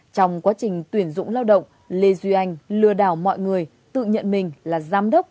trong quá trình tuyển dụng lao động lê duy anh lừa đảo mọi người tự nhận mình là giám đốc